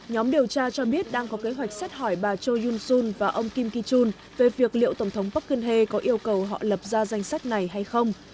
nhóm điều tra cho biết đang có kế hoạch xét hỏi bà chu jun sun và ông kim ki chun về việc liệu tổng thống park geun hye có yêu cầu họ lập ra danh sách này hay không